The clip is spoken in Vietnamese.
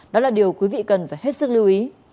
đó là điều quý vị cần phải hết sức lưu ý